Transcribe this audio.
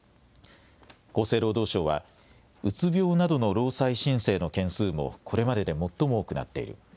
厚生労働省はうつ病などの労災申請の件数もこれまでで最も多くなっている。